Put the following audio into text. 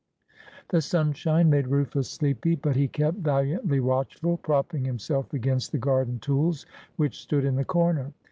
The sunshine made Rufus sleepy, but he kept valiantly watchful, propping himself against the garden tools which stood in the corner.